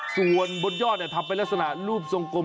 ส่วนบนยอดทำเป็นลักษณะรูปทรงกลม